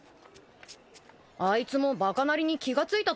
あいつもバカなりに気が付いたと思うぜ？